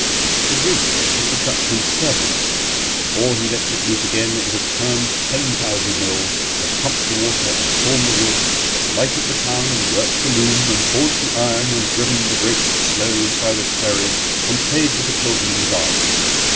The wind is the Dutchman's; servant before he lets it loose again it has turned ten thousand mills, has pumped the water and sawn the wood, has lighted the town and worked the loom, and forged the iron, and driven the great, slow, silent wherry, and played with the children in the garden.